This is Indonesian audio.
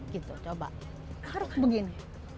gitu coba harus begini